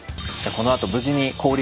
このあと無事に氷をね